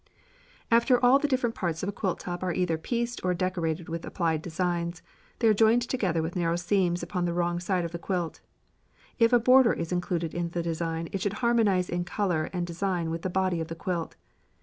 After all the different parts of a quilt top are either pieced or decorated with applied designs, they are joined together with narrow seams upon the wrong side of the quilt. If a border is included in the design it should harmonize in colour and design with the body of the quilt.